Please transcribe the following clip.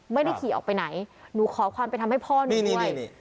ไม่ได้ขี่ออกไปไหนหนูขอความเป็นธรรมให้พ่อหนูด้วย